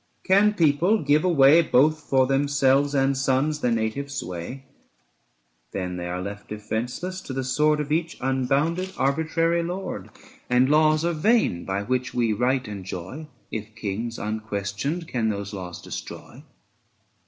Can people give away Both for themselves and sons their native sway? 760 Then they are left defenceless to the sword Of each unbounded, arbitrary lord; And laws are vain by which we right enjoy, If kings unquestioned can those laws destroy.